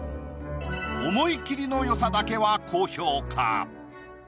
思い切りのよさだけは高評価。